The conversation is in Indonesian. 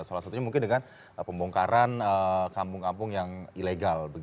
salah satunya mungkin dengan pembongkaran kampung kampung yang ilegal